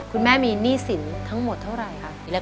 คุณแม่มีหนี้สินทั้งหมดเท่าไหร่